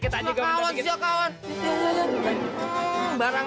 ini ada bapak yang